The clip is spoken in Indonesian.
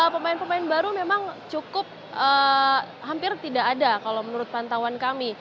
pemain pemain baru memang cukup hampir tidak ada kalau menurut pantauan kami